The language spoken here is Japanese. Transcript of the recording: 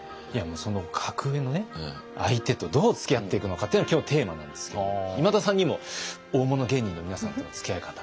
その格上の相手とどうつきあっていくのかっていうのが今日のテーマなんですけれども今田さんにも大物芸人の皆さんとのつきあい方。